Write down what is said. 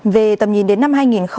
về tầm nhìn đến năm hai nghìn ba mươi